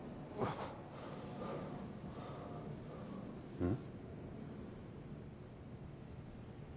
うん？